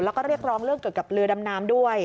แล้วก็เรียกร้องเรื่องเกี่ยวกับเรือดำน้ำด้วย